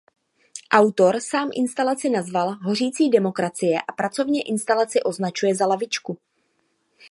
Autor sám instalaci nazval „Hovoří demokracie“ a pracovně instalaci označuje za lavičku.